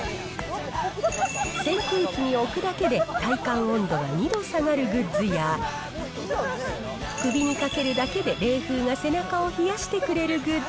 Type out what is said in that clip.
扇風機に置くだけで体感温度が２度下がるグッズや、首にかけるだけで冷風が背中を冷やしてくれるグッズ。